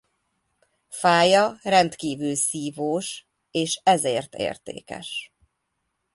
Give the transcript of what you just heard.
Fája rendkívül szívós és ezért értékes.